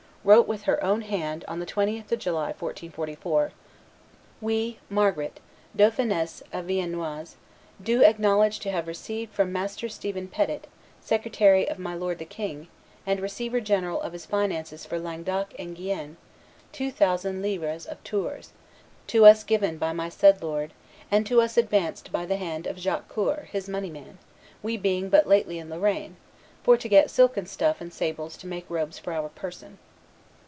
wrote with her own hand, on the 20th of July, 1445, "We, Margaret, dauphiness of Viennois, do acknowledge to have received from Master Stephen Petit, secretary of my lord the king, and receiver general of his finances for Languedoc and Guienne, two thousand livres of Tours, to us given by my said lord, and to us advanced by the hands of Jacques Coeur, his moneyman, we being but lately in Lorraine, for to get silken stuff and sables to make robes for our person."